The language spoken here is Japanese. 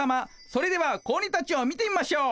それでは子鬼たちを見てみましょう。